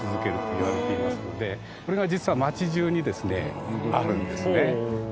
これが実は町中にですねあるんですね。